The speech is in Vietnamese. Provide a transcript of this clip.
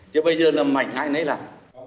chứ bây giờ là mạnh ai nấy làm